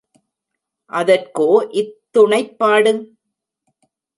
அதற்கோ இத்துணைப் பாடு?